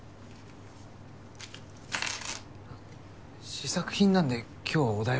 試作品なんで今日はお代は。